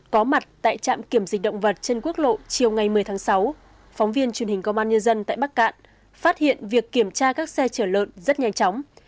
có mặt tại trạm kiểm dịch động vật trên quốc lộ chiều ngày một mươi tháng sáu phóng viên truyền hình công an nhân dân tại bắc cạn phát hiện việc kiểm tra các xe chở lợn rất nhanh chóng